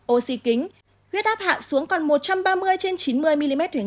oxy kính huyết áp hạ xuống còn một trăm ba mươi chín mươi mmhg